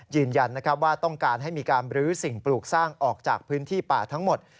ยืนยันว่าต้องการให้มีการบรื้อสิ่งปลูกสร้างออกจากพื้นที่ป่าทั้งหมด